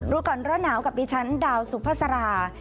โรงการร่อนหนาวกับฉันดาวสุพภาษารา